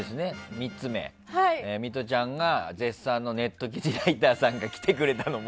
３つ目、ミトちゃんが絶賛の記事ライターさんが来てくれたの森。